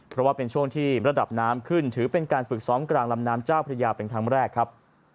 เพราะว่าเป็นช่วงที่ระดับน้ำขึ้นถือเป็นการฝึกซ้อมกลางลำน้ำเจ้าพระยาเป็นครั้งแรกครับ